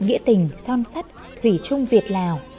nghĩa tình son sắt thủy trung việt lào